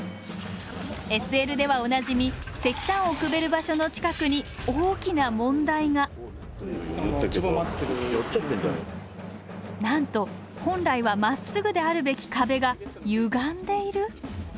ＳＬではおなじみ石炭をくべる場所の近くに大きな問題がなんと本来はまっすぐであるべき壁がゆがんでいる？